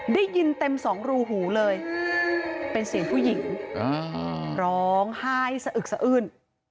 ได้ยินเต็มสองรูหูเลยเป็นเสียงผู้หญิงร้องไห้สะอึกสะอื้น